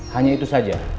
hanya itu saja